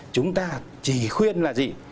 chúng ta chỉ khuyên là gì